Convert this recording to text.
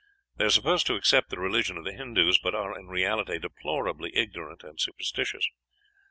They are supposed to accept the religion of the Hindus, but are in reality deplorably ignorant and superstitious.